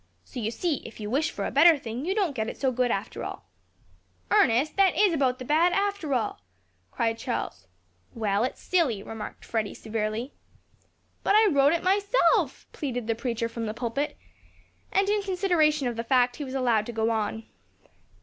So, you see, if you wish for a better thing, you don't get it so good after all." "Ernest, that is about the bad, after all!" cried Charles. "Well, it's silly," remarked Freddy severely. "But I wrote it myself," pleaded the preacher from the pulpit; and, in consideration of the fact, he was allowed to go on.